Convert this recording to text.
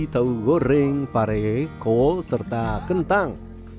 tahu goreng pare kol serta kentang